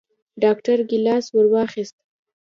ډاکتر ګېلاس ورواخيست.